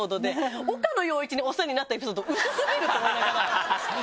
岡野陽一にお世話になったエピソード薄すぎると思いながら。